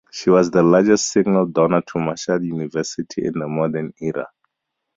She was the largest single donor to Marshall University in the modern era.